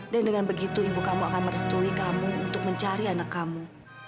dan dengan begitu ibu kamu akan merestui kamu untuk mencari anak kamu